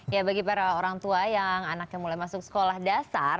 ya bagi para orang tua yang anaknya mulai masuk sekolah dasar